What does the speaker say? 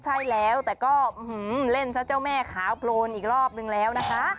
ใช่แล้วแต่ก็เล่นซะเจ้าแม่ขาวโพลนอีกรอบนึงแล้วนะคะ